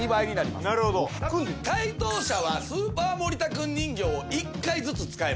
解答者はスーパー森田くん人形を１回ずつ使えます。